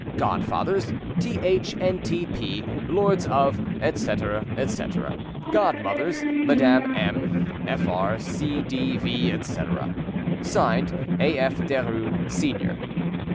Godfathers, T. H. and T. P., lords of, etc. etc. Godmothers, Madame M. Fr. C. D. V., etc. etc. "(Signed) A. F. DERUES, Senior."